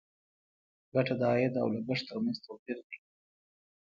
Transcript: ګټه د عاید او لګښت تر منځ توپیر دی.